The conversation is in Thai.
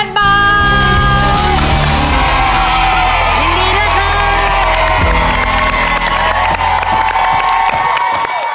ยินดีนะครับ